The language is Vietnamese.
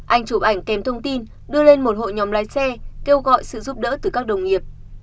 anh chụp ảnh kèm thông tin đưa lên một hội nhóm lái xe kêu gọi sự giúp đỡ từ các đồng nghiệp